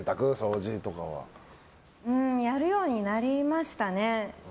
やるようになりましたね。